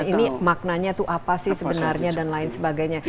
ini maknanya itu apa sih sebenarnya dan lain sebagainya